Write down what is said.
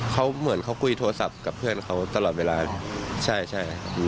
เขาเหมือนเขาคุยโทรศัพท์กับเพื่อนเขาตลอดเวลาใช่ใช่